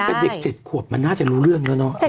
แต่เด็ก๗ขวบมันน่าจะรู้เรื่องแล้วเนาะ